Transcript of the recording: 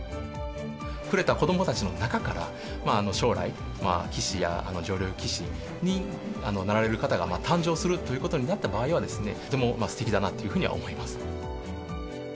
触れた子どもたちの中から、将来、棋士や女流棋士になられる方が誕生するということになった場合は、とてもすてきだなというふうには思います。